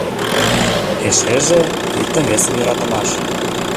Эшеже — икте-весым йӧратымаш.